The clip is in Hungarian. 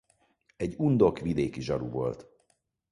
Egy undok vidéki zsaru volt.